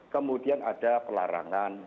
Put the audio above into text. kemudian ada pelarangan